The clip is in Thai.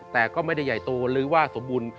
แต่ก็ไม่ได้ใหญ่โตหรือว่าสมบูรณ์